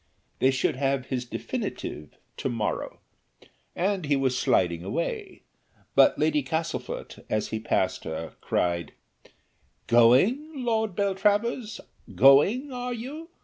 They should have his definitive to morrow, and he was sliding away, but Lady Castlefort, as he passed her, cried, "Going, Lord Beltravers, going are you?"